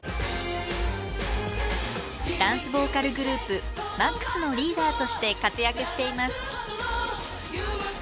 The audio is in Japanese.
ダンスボーカルグループＭＡＸのリーダーとして活躍しています。